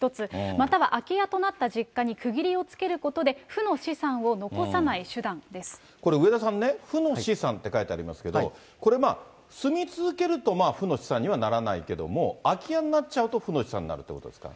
または空き家となった実家に区切りをつけることで、これ、上田さんね、負の資産って書いてありますけど、これ、住み続けると負の資産にはならないけども、空き家になっちゃうと、負の資産になるっていうことですか。